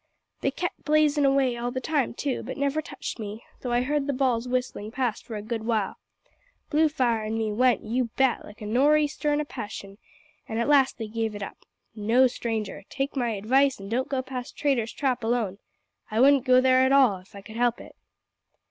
They kep' blazin' away all the time too, but never touched me, though I heard the balls whistlin' past for a good while. Bluefire an' me went, you bet, like a nor' easter in a passion, an' at last they gave it up. No, stranger, take my advice an' don't go past Traitor's Trap alone. I wouldn't go there at all if I could help it."